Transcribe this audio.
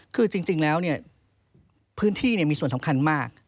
คือจริงแล้วพื้นที่มีส่วนสำคัญมาก